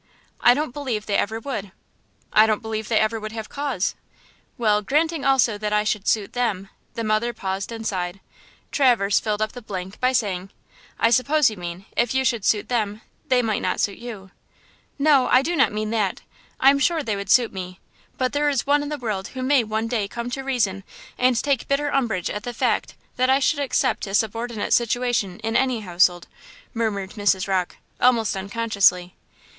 "I don't believe they ever would!" "I don't believe they ever would have cause!" "Well, granting also that I should suit them"–the mother paused and sighed. Traverse filled up the blank by saying: "I suppose you mean–if you should suit them they might not suit you!" "No, I do not mean that! I am sure they would suit me; but there is one in the world who may one day come to reason and take bitter umbrage at the fact that I should accept a subordinate situation in any household," murmured Mrs. Rocke, almost unconsciously.